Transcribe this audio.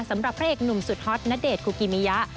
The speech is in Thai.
สำหรับพระเอกหนุ่มสุดฮอตณเดชน์คุกิมิยะ